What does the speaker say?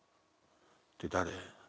って誰？